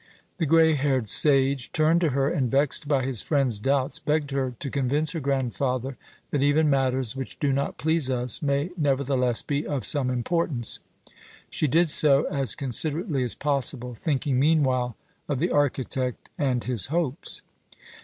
The grey haired sage turned to her, and, vexed by his friend's doubts, begged her to convince her grandfather that even matters which do not please us may nevertheless be of some importance. She did so as considerately as possible, thinking meanwhile of the architect and his hopes.